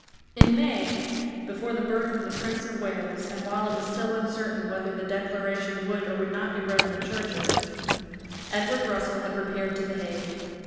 In May, before the birth of the Prince of Wales, and while it was still uncertain whether the Declaration would or would not be read in the churches, Edward Russell had repaired to the Hague.